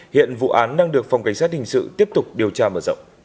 hiện vụ án đang được phòng cảnh sát hình sự tiếp tục điều tra mở rộng